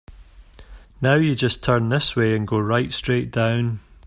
Now you just turn this way and go right straight down.